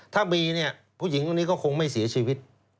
ถ้ามีเนี่ยผู้หญิงคนนี้ก็คงไม่เสียชีวิต